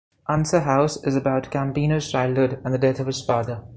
'Unser Haus' is about Campino's childhood and the death of his father.